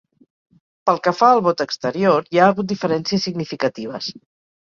Pel que fa al vot exterior, hi ha hagut diferències significatives.